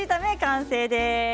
完成です。